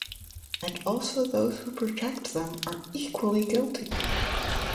And also those who protect them are equally guilty.